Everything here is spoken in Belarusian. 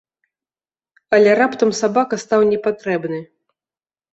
Але раптам сабака стаў непатрэбны.